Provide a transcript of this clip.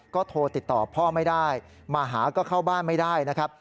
ก็โทรติดต่อพ่อไม่ได้มาหาก็เข้าบ้านไม่ได้นะครับ